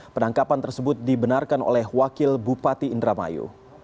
penangkapan tersebut dibenarkan oleh wakil bupati indra mayu